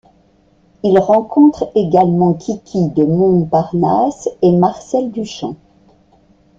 Il rencontre également Kiki de Montparnasse et Marcel Duchamp.